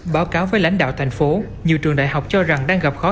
báo cáo với lãnh đạo thành phố nhiều trường đại học cho rằng đang gặp khó